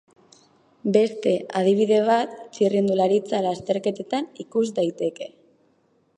Beste adibide bat txirrindularitza lasterketetan ikus daiteke.